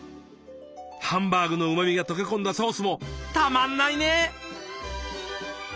ハンバーグのうまみが溶け込んだソースもたまんないね。